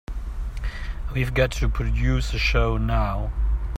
We've got to produce a show now.